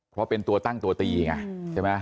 เพราะเป็นตัวตั้งตัวตีไง